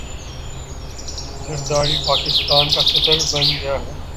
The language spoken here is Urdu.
ذرداری گو پاکستان کا صدر بن گیا ہے